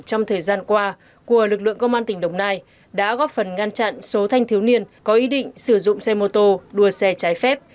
trong thời gian qua của lực lượng công an tỉnh đồng nai đã góp phần ngăn chặn số thanh thiếu niên có ý định sử dụng xe mô tô đua xe trái phép